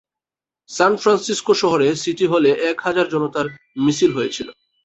সান Francisco শহরে city হলে এক হাজার জনতার মিছিল হয়েছিল।